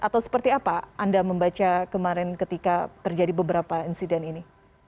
atau seperti apa anda membaca kemarin ketika terjadi beberapa insiden ini